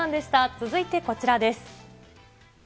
続いてこちらです。